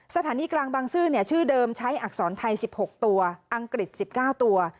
สถานีกลางบางซื่อชื่อเดิมใช้อักษรไทย๑๖ตัวอังกฤษ๑๙ตัว